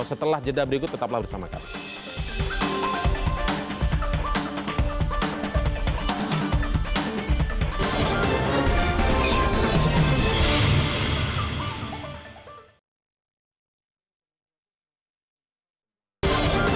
setelah jeda berikut tetaplah bersama kami